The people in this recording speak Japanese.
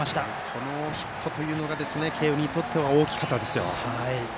このヒットが慶応にとって大きかったです。